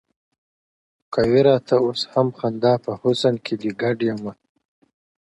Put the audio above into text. كوې راته اوس هم خندا په حسن كي دي گډ يـــــــم”